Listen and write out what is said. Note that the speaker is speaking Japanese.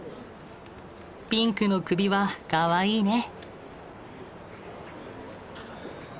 ピンクの首輪かわいいね。